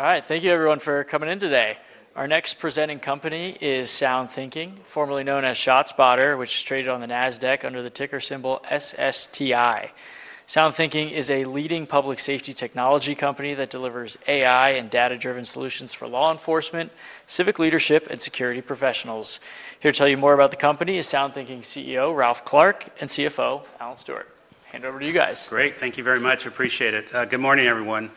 All right, thank you everyone for coming in today. Our next presenting company is SoundThinking, formerly known as ShotSpotter, which is traded on the NASDAQ under the ticker symbol SSTI. SoundThinking is a leading public safety technology company that delivers AI and data-driven solutions for law enforcement, civic leadership, and security professionals. Here to tell you more about the company is SoundThinking CEO Ralph Clark and CFO Alan Stewart. Hand over to you guys. Great, thank you very much. Appreciate it. Good morning, everyone.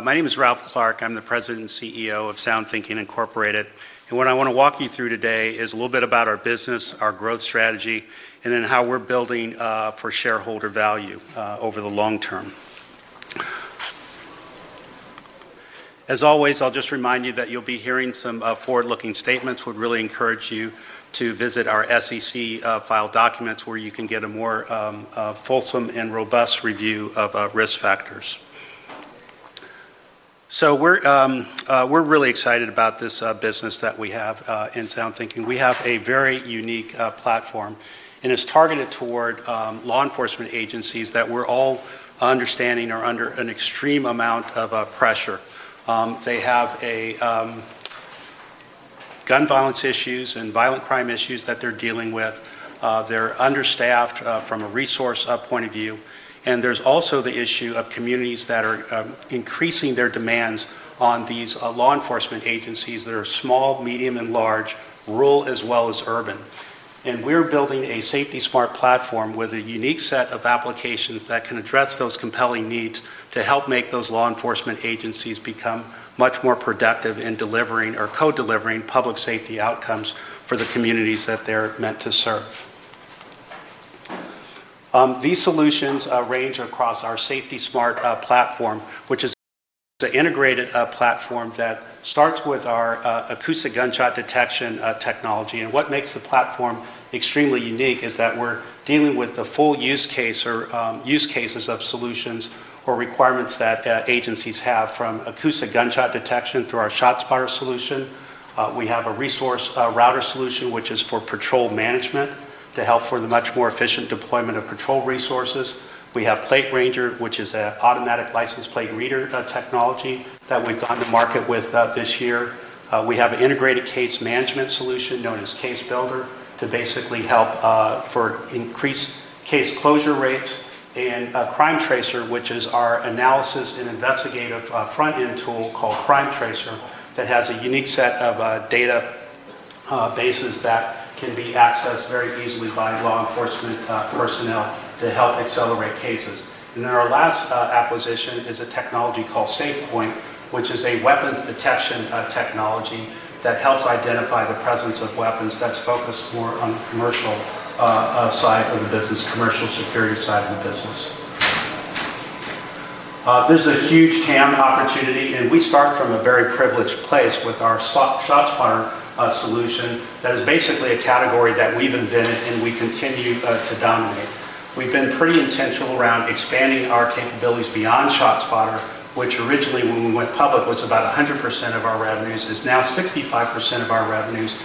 My name is Ralph Clark. I'm the President and CEO of SoundThinking, Inc. What I want to walk you through today is a little bit about our business, our growth strategy, and how we're building for shareholder value over the long term. As always, I'll just remind you that you'll be hearing some forward-looking statements. We'd really encourage you to visit our SEC filed documents where you can get a more fulsome and robust review of risk factors. We're really excited about this business that we have in SoundThinking. We have a very unique platform and it's targeted toward law enforcement agencies that we're all understanding are under an extreme amount of pressure. They have gun violence issues and violent crime issues that they're dealing with. They're understaffed from a resource point of view. There's also the issue of communities that are increasing their demands on these law enforcement agencies that are small, medium, and large, rural as well as urban. We're building a SafetySmart platform with a unique set of applications that can address those compelling needs to help make those law enforcement agencies become much more productive in delivering or co-delivering public safety outcomes for the communities that they're meant to serve. These solutions range across our SafetySmart platform, which is an integrated platform that starts with our acoustic gunshot detection technology. What makes the platform extremely unique is that we're dealing with the full use case or use cases of solutions or requirements that agencies have from acoustic gunshot detection through our ShotSpotter solution. We have a ResourceRouter solution, which is for patrol management to help for the much more efficient deployment of patrol resources. We have PlateRanger, which is an automatic license plate reader technology that we've gone to market with this year. We have an integrated case management solution known as CaseBuilder to basically help for increased case closure rates and CrimeTracer, which is our analysis and investigative front-end tool called CrimeTracer that has a unique set of databases that can be accessed very easily by law enforcement personnel to help accelerate cases. Our last acquisition is a technology called SafePointe, which is a weapons detection technology that helps identify the presence of weapons that's focused more on the commercial side of the business, commercial security side of the business. There's a huge TAM opportunity, and we start from a very privileged place with our ShotSpotter solution that is basically a category that we've invented and we continue to dominate. We've been pretty intentional around expanding our capabilities beyond ShotSpotter, which originally when we went public was about 100% of our revenues, is now 65% of our revenues.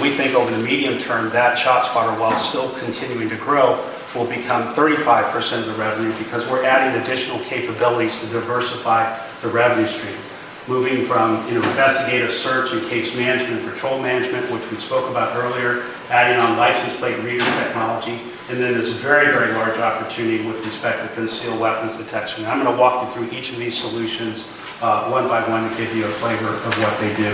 We think over the medium term that ShotSpotter, while still continuing to grow, will become 35% of the revenue because we're adding additional capabilities to diversify the revenue streams, moving from investigative search and case management, patrol management, which we spoke about earlier, adding on license plate reader technology. There's a very, very large opportunity with respect to concealed weapons detection. I'm going to walk you through each of these solutions one by one to give you a flavor of what they do.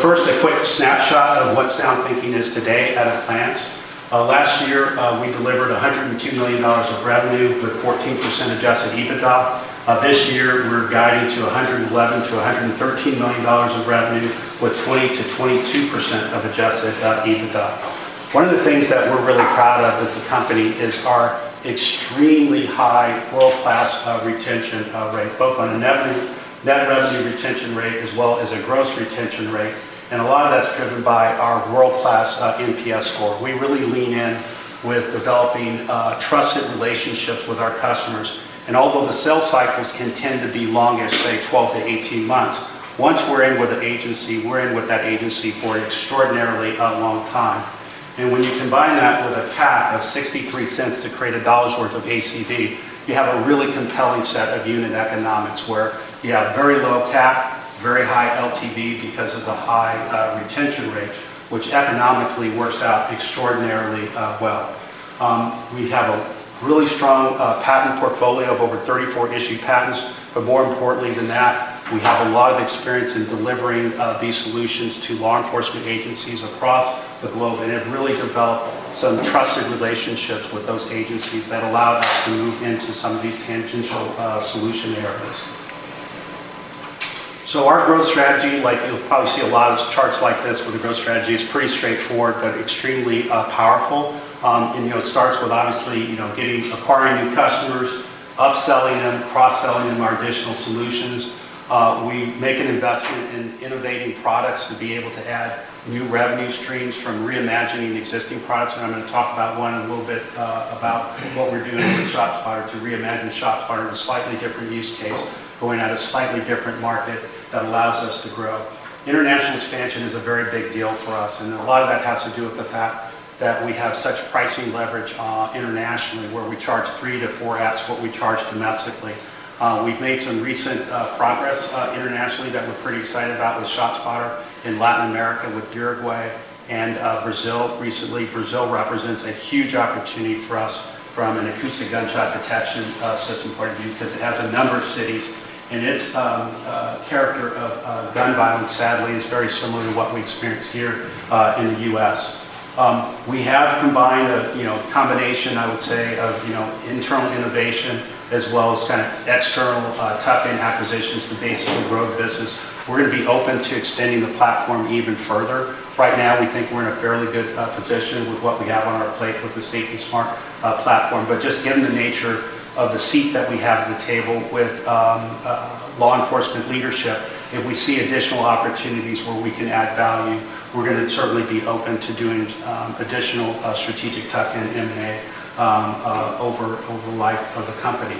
First, a quick snapshot of what SoundThinking is today at a glance. Last year, we delivered $102 million of revenue with 14% adjusted EBITDA. This year, we're valued to $111 million-$113 million of revenue with 20%-22% of adjusted EBITDA. One of the things that we're really proud of as a company is our extremely high world-class retention rate, both on a net revenue retention rate as well as a gross retention rate. A lot of that's driven by our world-class NPS score. We really lean in with developing trusted relationships with our customers. Although the sales cycles can tend to be longer, say 12-18 months, once we're in with an agency, we're in with that agency for an extraordinarily long time. When you combine that with a customer acquisition cost of $0.63 to create a dollar's worth of ACV, you have a really compelling set of unit economics where you have very low customer acquisition cost, very high LTV because of the high retention rate, which economically works out extraordinarily well. We have a really strong patent portfolio of over 34 issued patents. More importantly than that, we have a lot of experience in delivering these solutions to law enforcement agencies across the globe. It really developed some trusted relationships with those agencies that allow us to look into some of these tangential solution areas. Our growth strategy, like you'll probably see a lot of charts like this with the growth strategy, is pretty straightforward but extremely powerful. It starts with obviously acquiring new customers, upselling them, cross-selling them our additional solutions. We make an investment in innovating products to be able to add new revenue streams from reimagining existing products. I'm going to talk about why in a little bit, about what we're doing at ShotSpotter to reimagine ShotSpotter in a slightly different use case, going at a slightly different market that allows us to grow. International expansion is a very big deal for us. A lot of that has to do with the fact that we have such pricing leverage internationally where we charge 3x-4x what we charge domestically. We've made some recent progress internationally that we're pretty excited about with ShotSpotter in Latin America with Uruguay and Brazil recently. Brazil represents a huge opportunity for us from an acoustic gunshot detection system point of view because it has a number of cities and its character of gun violence, sadly, is very similar to what we experience here in the U.S. We have a combination, I would say, of interim innovation as well as kind of external tuck-in acquisitions to basically grow the business. We're going to be open to extending the platform even further. Right now, we think we're in a fairly good position with what we got on our plate with the SafetySmart platform. Just given the nature of the seat that we have at the table with law enforcement leadership, if we see additional opportunities where we can add value, we're going to certainly be open to doing additional strategic tuck-in over the life of the company.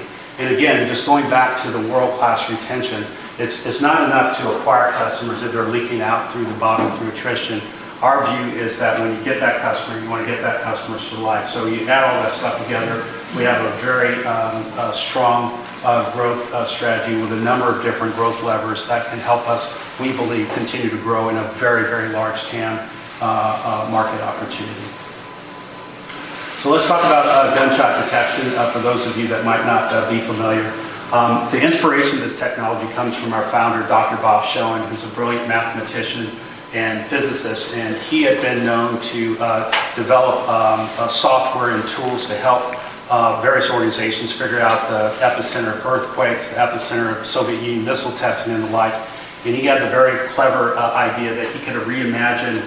Just going back to the world-class retention, it's not enough to acquire customers if they're leaking out through the bottom through attrition. Our view is that when you get that customer, you want to get that customer for life. You add all that stuff together. We have a very strong growth strategy with a number of different growth levers that can help us, we believe, continue to grow in a very, very large TAM market opportunity. Let's talk about gunshot detection for those of you that might not be familiar. The inspiration of this technology comes from our founder, Dr. Bob Showen, who's a brilliant mathematician and physicist. He has been known to develop software and tools to help various organizations figure out the epicenter of earthquakes, the epicenter of Soviet Union missile testing in the wild. He had a very clever idea that he could reimagine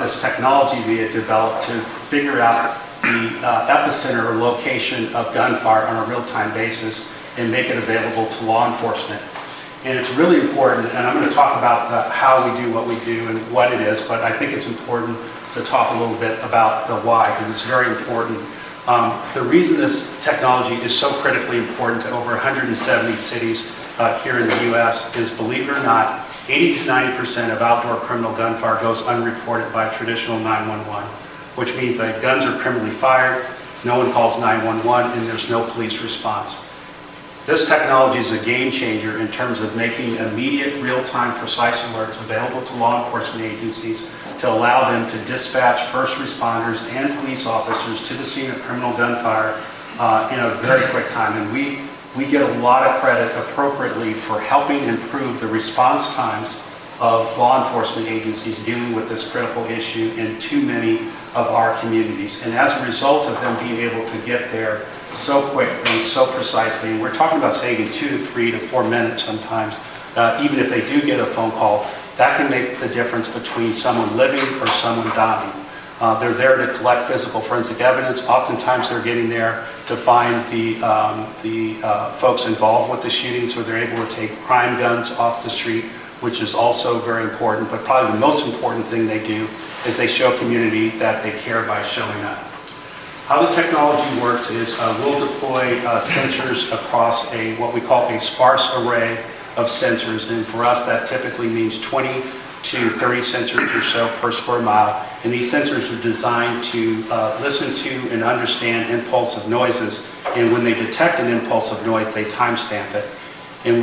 this technology that he had developed to figure out the epicenter or location of gunfire on a real-time basis and make it available to law enforcement. It's really important, and I'm going to talk about how we do what we do and what it is, but I think it's important to talk a little bit about the why because it's very important. The reason this technology is so critically important to over 170 cities here in the U.S. is, believe it or not, 80%-90% of outdoor criminal gunfire goes unreported by traditional 911, which means that guns are criminally fired, no one calls 911, and there's no police response. This technology is a game changer in terms of making immediate, real-time, precise alerts available to law enforcement agencies to allow them to dispatch first responders and police officers to the scene of criminal gunfire in a very quick time. We get a lot of credit appropriately for helping improve the response times of law enforcement agencies dealing with this critical issue in too many of our communities. As a result of them being able to get there so quickly, so precisely, we're talking about saving two to three to four minutes sometimes, even if they do get a phone call. That can make the difference between someone living or someone dying. They're there to collect physical forensic evidence. Oftentimes, they're getting there to find the folks involved with the shootings, or they're able to take crime guns off the street, which is also very important. Probably the most important thing they do is they show the community that they care by showing up. How the technology works is we'll deploy sensors across what we call a sparse array of sensors. For us, that typically means 20-30 sensors or so per square mile. These sensors are designed to listen to and understand impulsive noises. When they detect an impulsive noise, they timestamp it.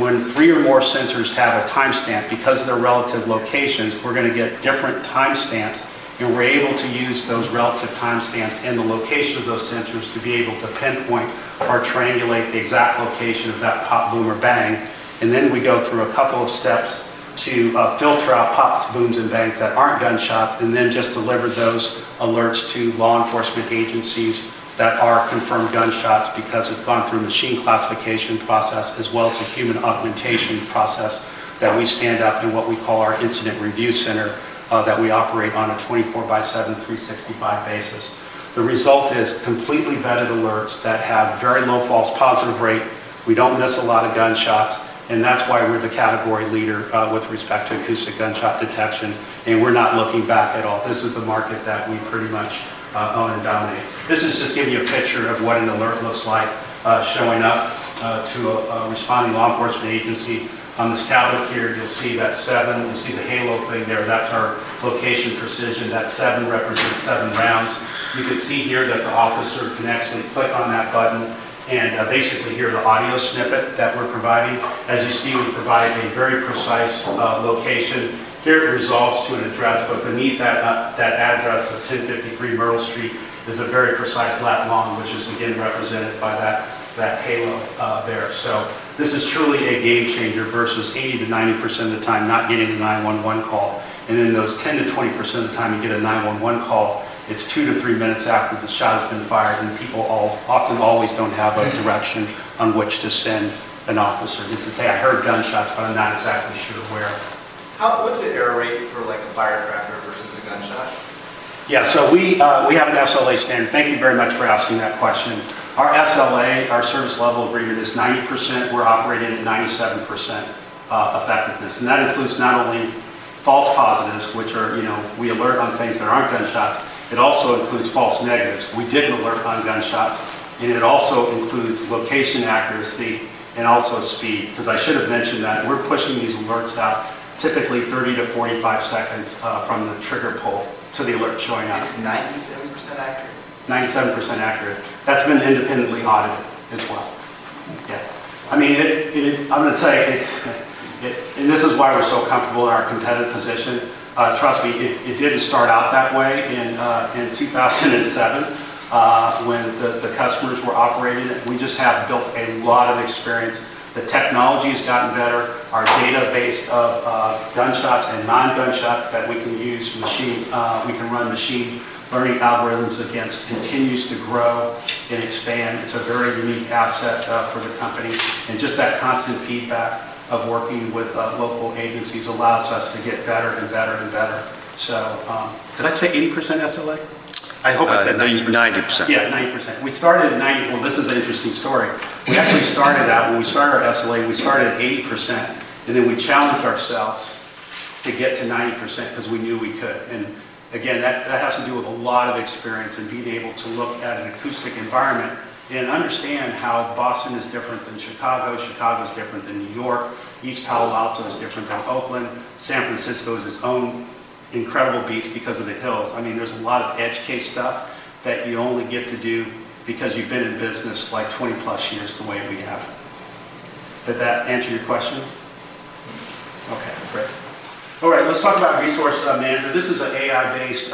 When three or more sensors have a timestamp because of their relative locations, we're going to get different timestamps. We're able to use those relative timestamps and the location of those sensors to be able to pinpoint or triangulate the exact location of that pop, boom, or bang. We go through a couple of steps to filter out pops, booms, and bangs that aren't gunshots, and then just deliver those alerts to law enforcement agencies that are confirmed gunshots because it's gone through a machine classification process as well as a human augmentation process that we stand up in what we call our Incident Review Center that we operate on a 24/7, 365 basis. The result is completely vetted alerts that have a very low false positive rate. We don't miss a lot of gunshots. That's why we're the category leader with respect to acoustic gunshot detection. We're not looking back at all. This is the market that we pretty much own and dominate. This is just to give you a picture of what an alert looks like showing up to a responding law enforcement agency. On the static here, you'll see that seven. You see the halo thing there. That's our location precision. That seven represents seven rounds. You can see here that the officer can actually click on that button and basically hear the audio snippet that we're providing. As you see, we provide a very precise location. Here it resolves to an address, but beneath that address of 1053 Meryl Street, there's a very precise lat and long, which is again represented by that halo there. This is truly a game changer versus 80%-90% of the time not getting the 911 call. In those 10%-20% of the time you get a 911 call, it's two to three minutes after the shot has been fired. People often always don't have a direction on which to send an officer. They can say, "I heard gunshots, but I'm not exactly sure of where. What's the error rate for like a firecracker versus a gunshot? Yeah, we have an SLA stand. Thank you very much for asking that question. Our SLA, our service level rating, is 90%. We're operating at 97% effectiveness. That includes not only false positives, which are, you know, we alert on things that aren't gunshots, it also includes false negatives. We didn't alert on gunshots. It also includes location accuracy and also speed. I should have mentioned that we're pushing these alerts out typically 30 seconds-45 seconds from the trigger pull to the alert showing up. That's 97% accurate? 97% accurate. That's been independently audited as well. Yeah. I mean, I'm going to say it's, and this is why we're so comfortable in our competitive position. Trust me, it didn't start out that way in 2007, when the customers were operated. We just have built a lot of experience. The technology has gotten better. Our database of gunshots and non-gunshots that we can use, machine, we can run machine learning algorithms against continues to grow and expand. It's a very unique asset for the company. Just that constant feedback of working with local agencies allows us to get better and better and better. Did I say 80% SLA? I hope I said 90%. Yeah, 90%. We started at 90. This is an interesting story. We actually started out, when we started our SLA, we started at 80%. We challenged ourselves to get to 90% because we knew we could. That has to do with a lot of experience and being able to look at an acoustic environment and understand how Boston is different than Chicago. Chicago is different than New York. East Palo Alto is different than Oakland. San Francisco is its own incredible beast because of the hills. There's a lot of edge case stuff that you only get to do because you've been in business like 20+ years the way we have. Did that answer your question? Okay, great. All right, let's talk about resource management. This is an AI-based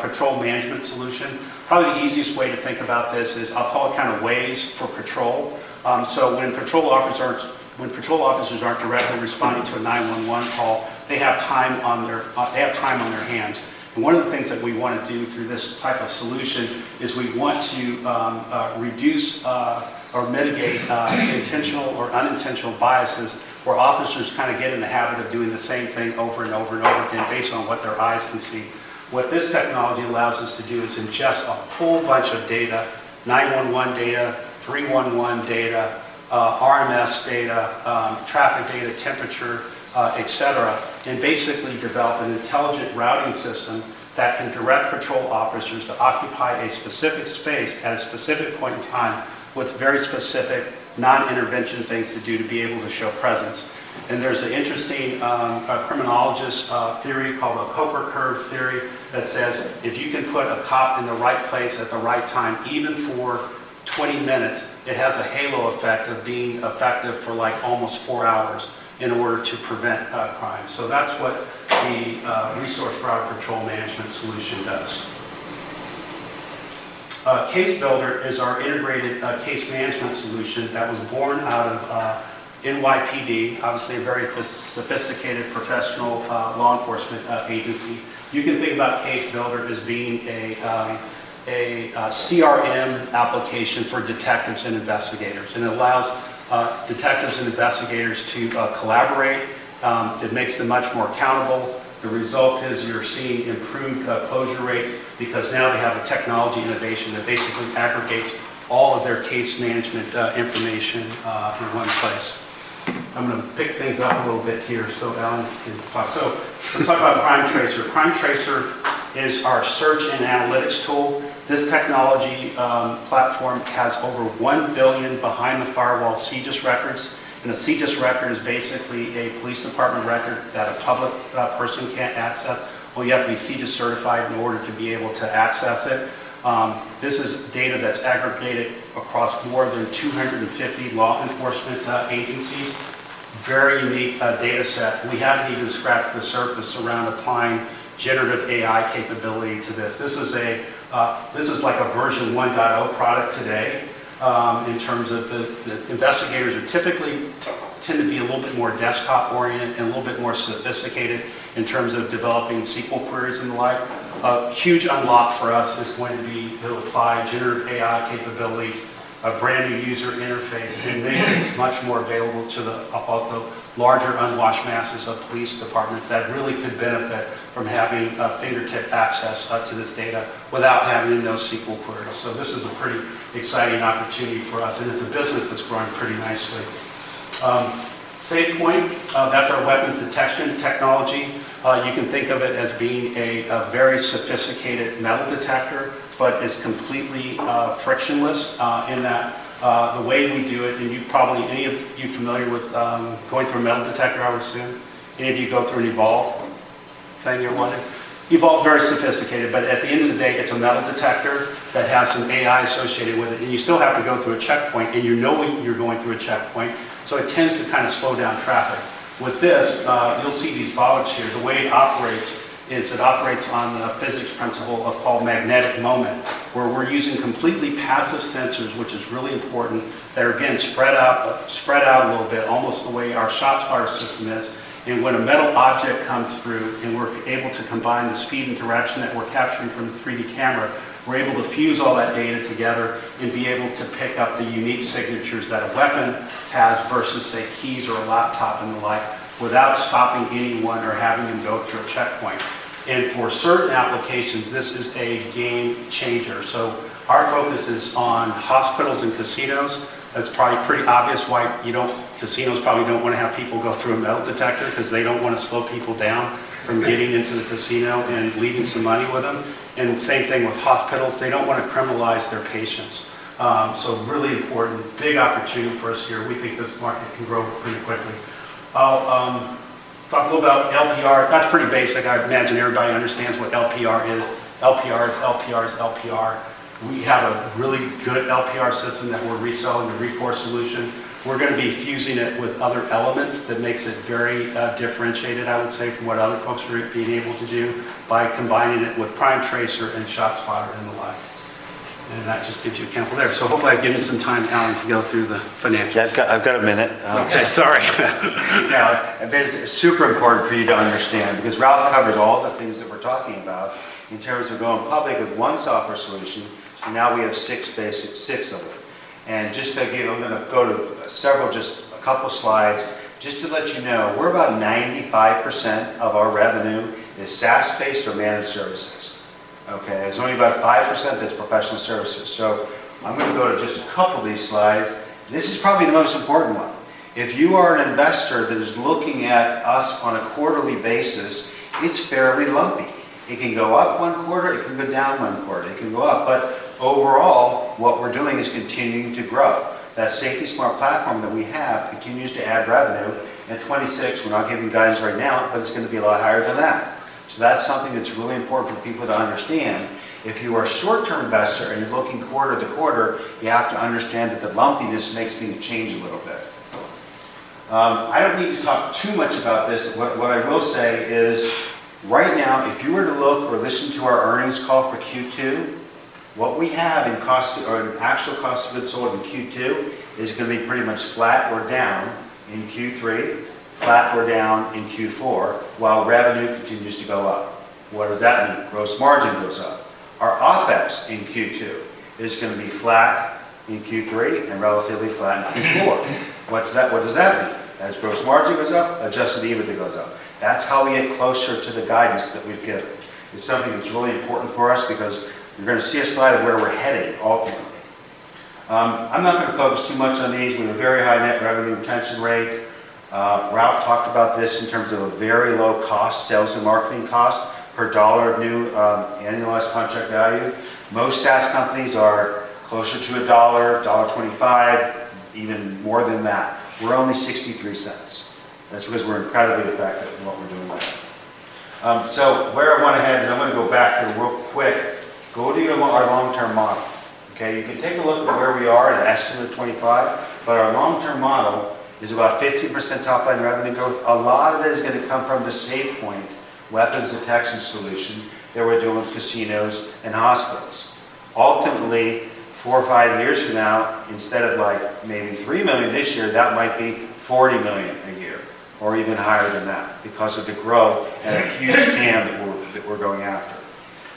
patrol management solution. Probably the easiest way to think about this is all kinds of ways for patrol. When patrol officers aren't directly responding to a 911 call, they have time on their hands. One of the things that we want to do through this type of solution is we want to reduce or mitigate intentional or unintentional biases for officers kind of getting in the habit of doing the same thing over and over and over again based on what their eyes can see. What this technology allows us to do is ingest a whole bunch of data, 911 data, 311 data, RMS data, traffic data, temperature, et cetera, and basically develop an intelligent routing system that can direct patrol officers to occupy a specific space at a specific point in time with very specific non-intervention things to do to be able to show presence. There's an interesting criminologist theory called the Koper Curve Theory that says if you can put a pop in the right place at the right time, even for 20 minutes, it has a halo effect of being effective for like almost four hours in order to prevent crime. That's what the resource for our patrol management solution does. CaseBuilder is our integrated case management solution that was born out of NYPD, obviously a very sophisticated professional law enforcement agency. You can think about CaseBuilder as being a CRM application for detectives and investigators. It allows detectives and investigators to collaborate. It makes them much more accountable. The result is you're seeing improved closure rates because now they have a technology innovation that basically aggregates all of their case management information through one place. I'm going to pick things up a little bit here. Down to the slide. Let's talk about CrimeTracer. CrimeTracer is our search and analytics tool. This technology platform has over 1 billion behind-the-firewall CJIS records. A CJIS record is basically a police department record that a public person can't access. You have to be CJIS-certified in order to be able to access it. This is data that's aggregated across more than 250 law enforcement agencies. Very unique data set. We haven't even scratched the surface around applying generative AI capability to this. This is like a version 1.0 product today in terms of the investigators who typically tend to be a little bit more desktop-oriented and a little bit more sophisticated in terms of developing SQL queries in the live. A huge unlock for us is going to be applying generative AI capabilities, a brand new user interface, and it's much more available to the larger unwashed masses of police departments that really could benefit from having fingertip access to this data without having to know SQL queries. This is a pretty exciting opportunity for us, and it's a business that's grown pretty nicely. SafePointe, that's our weapons detection technology. You can think of it as being a very sophisticated metal detector, but it's completely frictionless in the way we do it. Any of you familiar with going through a metal detector, I would assume any of you go through Evolv. You're wondering. Evolv is very sophisticated, but at the end of the day, it's a metal detector that has some AI associated with it. You still have to go through a checkpoint, and you know you're going through a checkpoint. It tends to kind of slow down traffic. With this, you'll see these bullets here. The way it operates is it operates on the physics principle of all magnetic moment, where we're using completely passive sensors, which is really important. They're again spread out a little bit, almost the way our ShotSpotter system is. When a metal object comes through and we're able to combine the speed and direction that we're capturing from the 3D camera, we're able to fuse all that data together and be able to pick up the unique signatures that a weapon has versus, say, keys or a laptop and the like, without stopping anyone or having them go through a checkpoint. For certain applications, this is a game changer. Our focus is on hospitals and casinos. That's probably pretty obvious. Casinos probably don't want to have people go through a metal detector because they don't want to slow people down from getting into the casino and leaving some money with them. The same thing with hospitals. They don't want to criminalize their patients. Really important, big opportunity for us here. We think this market can grow pretty quickly. I'll talk a little about LPR. That's pretty basic. I imagine everybody understands what LPR is. LPR is LPR is LPR. We have a really good LPR system that we're reselling the Rekor solution. We're going to be fusing it with other elements that makes it very differentiated, I would say, from what other folks are being able to do by combining it with CrimeTracer and ShotSpotter and the like. That just gives you a couple there. Hopefully, I've given you some time, Alan, to go through the financials. I've got a minute. Okay, sorry. No, this is super important for you to understand because Ralph covers all the things that we're talking about in terms of going public with one software solution. Now we have six, basically six of them. Just thinking, I'm going to go to several, just a couple of slides, just to let you know, we're about 95% of our revenue is SaaS-based or managed services. There's only about 5% that's professional services. I'm going to go to just a couple of these slides. This is probably the most important one. If you are an investor that is looking at us on a quarterly basis, it's fairly lumpy. It can go up one quarter, it can go down one quarter, it can go up. Overall, what we're doing is continuing to grow. That SafetySmart platform that we have continues to add revenue. At 26, we're not giving guidance right now, but it's going to be a lot higher than that. That's something that's really important for people to understand. If you are a short-term investor and you're looking quarter to quarter, you have to understand that the lumpiness makes things change a little bit. I don't need to talk too much about this. What I will say is right now, if you were to look or listen to our earnings call for Q2, what we have in cost or in actual cost of goods sold in Q2 is going to be pretty much flat or down in Q3, flat or down in Q4, while revenue continues to go up. What does that mean? Gross margin goes up. Our OpEx in Q2 is going to be flat in Q3 and relatively flat in Q4. What does that mean? As gross margin goes up, adjusted EBITDA goes up. That's how we get closer to the guidance that we've given. It's something that's really important for us because you're going to see a slide of where we're heading ultimately. I'm not going to focus too much on these. We have a very high net revenue retention rate. Ralph talked about this in terms of a very low cost sales and marketing cost per dollar of new annualized contract value. Most SaaS companies are closer to $1, $1.25, even more than that. We're only $0.63. That's because we're incredibly effective in what we're doing right now. Where I want to head, and I'm going to go back real quick, go to our long-term model. You can take a look at where we are [as in 2025], but our long-term model is about 15% top line revenue growth. A lot of that is going to come from the SafePointe weapons detection solution that we're doing with casinos and hospitals. Ultimately, four or five years from now, instead of like maybe $3 million this year, that might be $40 million a year or even higher than that because of the growth and the huge TAM that we're going after.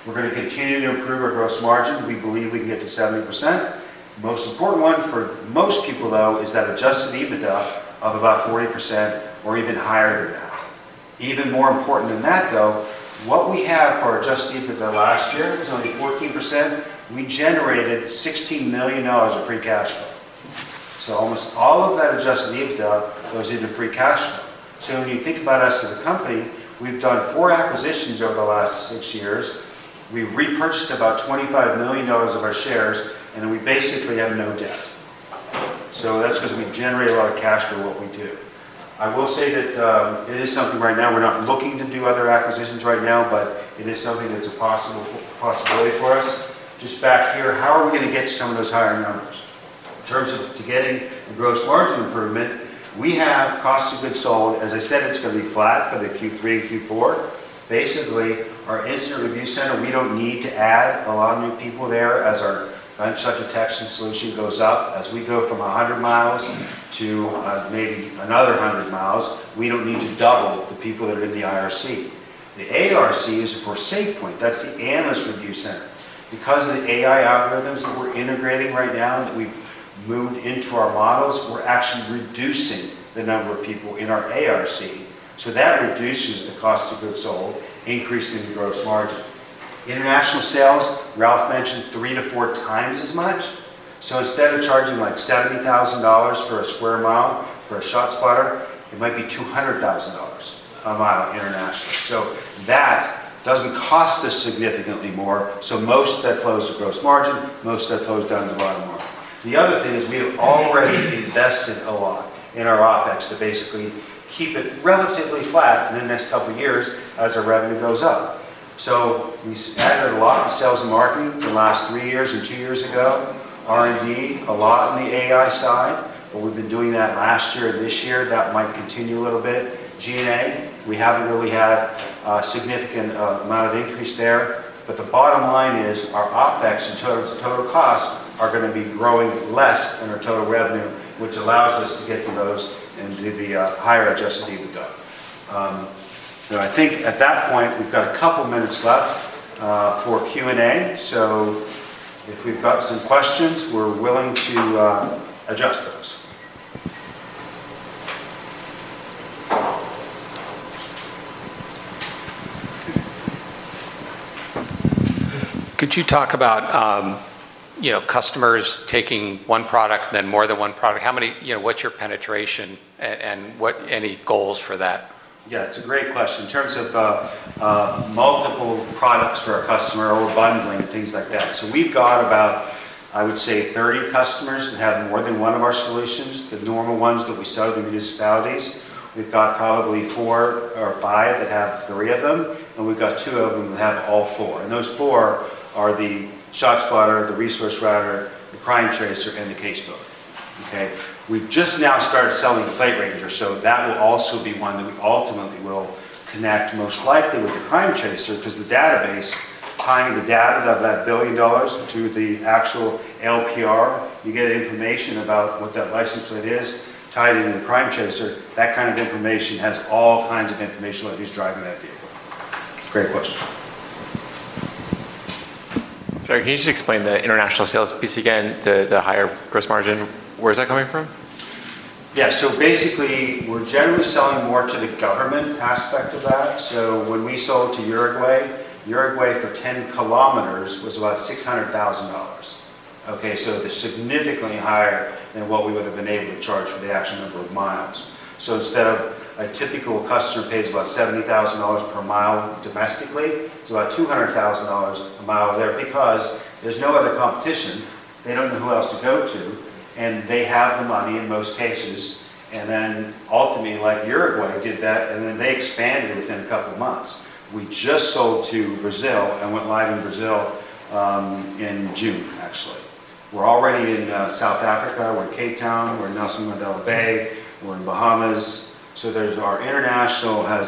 We're going to continue to improve our gross margin. We believe we can get to 70%. The most important one for most people, though, is that adjusted EBITDA of about 40% or even higher than that. Even more important than that, though, what we have for adjusted EBITDA last year was only 14%. We generated $16 million of free cash flow. Almost all of that adjusted EBITDA was in the free cash flow. When you think about us as a company, we've done four acquisitions over the last six years. We repurchased about $25 million of our shares, and we basically have no debt. That's going to generate a lot of cash for what we do. I will say that it is something right now. We're not looking to do other acquisitions right now, but it is something that's a possibility for us. Just back here, how are we going to get to some of those higher numbers? In terms of getting a gross margin improvement, we have cost of goods sold. As I said, it's going to be flat for Q3 and Q4. Basically, our Incident Review Center, we don't need to add a lot of new people there as our gunshot detection solution goes up. As we go from 100 miles to maybe another 100 miles, we don't need to double the people that are in the IRC. The ARC is for SafePointe. That's the Analyst Review Center. Because of the AI algorithms that we're integrating right now that we've moved into our models, we're actually reducing the number of people in our ARC. That reduces the cost of goods sold, increasing the gross margin. International sales, Ralph mentioned three to four times as much. Instead of charging like $70,000 for a square mile for ShotSpotter, it might be $200,000 a mile internationally. That doesn't cost us significantly more. Most of that flows to gross margin. Most of that flows down to the bottom line. The other thing is we have already invested a lot in our OpEx to basically keep it relatively flat in the next couple of years as our revenue goes up. We added a lot of sales and marketing to the last three years and two years ago. R&D, a lot on the AI side. We've been doing that last year, this year. That might continue a little bit. G&A, we haven't really had a significant amount of increase there. The bottom line is our OpEx in terms of total cost are going to be growing less than our total revenue, which allows us to get to those and do the higher adjusted EBITDA. I think at that point, we've got a couple of minutes left for Q&A. If we've got some questions, we're willing to address those. Could you talk about customers taking one product and then more than one product? How many, what's your penetration and what any goals for that? Yeah, it's a great question. In terms of multiple products for a customer or bundling, things like that, we've got about, I would say, 30 customers that have more than one of our solutions. The normal ones that we sell to the municipalities, we've got probably four or five that have three of them. We've got two of them that have all four. Those four are the ShotSpotter, the ResourceRouter, the CrimeTracer, and the CaseBuilder. We've just now started selling the PlateRanger. That will also be one that we ultimately will connect most likely with the CrimeTracer because the database, tying the data of that billion dollars to the actual LPR, you get information about what that license plate is tied into the CrimeTracer. That kind of information has all kinds of information about who's driving that vehicle. Great question. Sorry, can you just explain the international sales piece again? The higher gross margin, where's that coming from? Yeah, so basically, we're generally selling more to the government aspect of that. When we sold to Uruguay, Uruguay for 10 kilometers was about $600,000. They're significantly higher than what we would have been able to charge for the actual number of miles. Instead of a typical customer pays about $70,000 per mile domestically, it's about $200,000 a mile there because there's no other competition. They don't know who else to go to, and they have the money in most cases. Ultimately, like Uruguay did that, and then they expanded within a couple of months. We just sold to Brazil and went live in Brazil in June, actually. We're already in South Africa. We're in Cape Town. We're in Nelson Mandela Bay. We're in Bahamas. There's our international has.